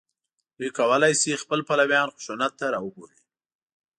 دوی کولای شي خپل پلویان خشونت ته راوبولي